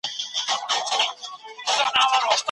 هیڅوک حق نه لري چي د عامه ګټو ځایونه خراب کړي.